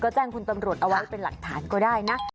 ก็แจ้งคุณตำรวจเอาไว้เป็นหลักฐานก็ได้นะ